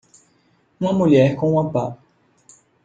Uma mulher com uma pá.